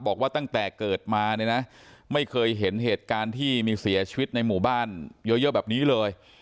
บอกว่าตั้งแต่เกิดมาเนี่ยนะไม่เคยเห็นเหตุการณ์ที่มีเสียชีวิตในหมู่บ้านเยอะแบบนี้เลย